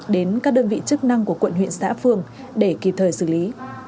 đến các đơn vị chức năng của quận huyện xã phường để kịp thời xử lý